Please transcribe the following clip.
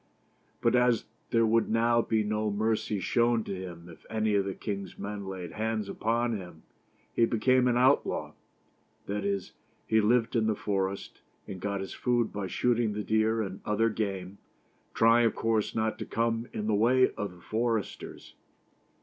But as there would now be no mercy shown to him if any of the king's men laid hands upon him, he became an outlaw ; that is, he lived in the forest, and got his food by shooting the deer and other game, trying of course not to come in the way of the foresters.